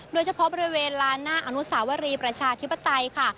โดยเฉพาะบริเวณลานหน้าอนุสาวรีประชาธิปไตยค่ะ